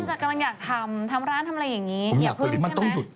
คุณที่จะทำอะไรอยู่วินาทีนี้ยังไม่ได้เริ่มจะกำลังอยากทำ